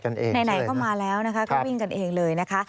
ในไหนเขามาแล้วนะหากเกิดวิ่งกันเองเลยนะคะ